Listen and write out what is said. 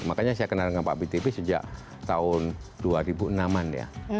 makanya saya kenal dengan pak btp sejak tahun dua ribu enam an ya